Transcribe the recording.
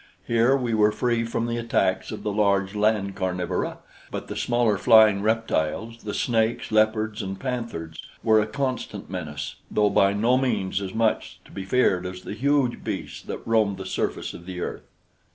Here we were free from the attacks of the large land carnivora; but the smaller flying reptiles, the snakes, leopards, and panthers were a constant menace, though by no means as much to be feared as the huge beasts that roamed the surface of the earth.